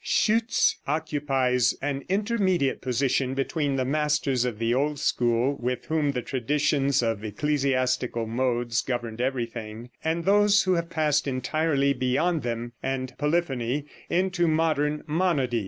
Schütz occupies an intermediate position between the masters of the old school, with whom the traditions of ecclesiastical modes governed everything, and those who have passed entirely beyond them and polyphony, into modern monody.